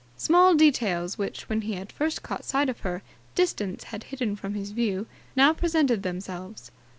Small details which, when he had first caught sight of her, distance had hidden from his view, now presented themselves.